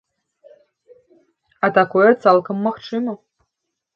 А такое цалкам магчыма.